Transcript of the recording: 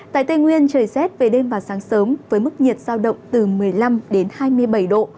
tại tây nguyên trời rét về đêm và sáng sớm với mức nhiệt giao động từ một mươi năm đến hai mươi bảy độ